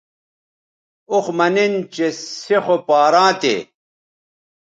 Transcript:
اوخ مہ نِن چہ سے خو پاراں تھے